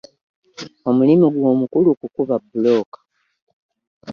Omulimu gwe omukulu kukuba bbulooka.